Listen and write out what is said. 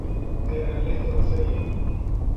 Det är lätt att säga.